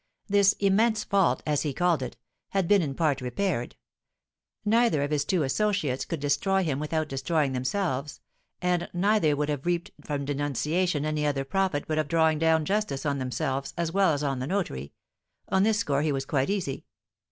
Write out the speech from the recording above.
This immense fault, as he called it, had been in part repaired; neither of his two associates could destroy him without destroying themselves, and neither would have reaped from denunciation any other profit but of drawing down justice on themselves as well as on the notary; on this score he was quite easy.